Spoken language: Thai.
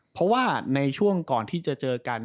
เพราะว่าในช่วงก่อนที่จะเจอกัน